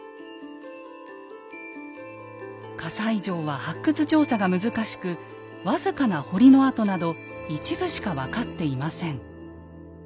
西城は発掘調査が難しく僅かな堀の跡など一部しか分かっていません。